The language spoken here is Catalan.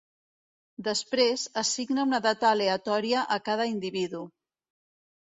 Després, assigna una data aleatòria a cada individu.